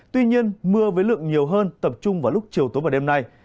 tuy nhiên mưa với lượng nhiều hơn tập trung vào lúc chiều tối và đêm nay